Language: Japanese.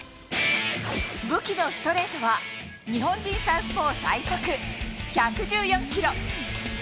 武器のストレートは、日本人サウスポー最速、１１４キロ。